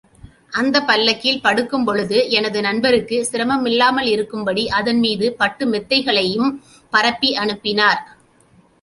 அந்தப் பல்லக்கில் படுக்கும்பொழுது, எனது நண்பருக்குச் சிரமமில்லாமலிருக்கும் படி, அதன்மீது பட்டு மெத்தைகளையும் பரப்பி அனுப்பினார்!